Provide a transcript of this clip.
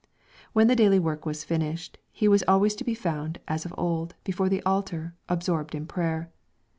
When the daily work was finished, he was always to be found, as of old, before the altar, absorbed in prayer.